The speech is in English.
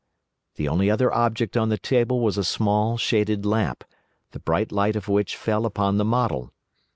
The only other object on the table was a small shaded lamp, the bright light of which fell upon the model.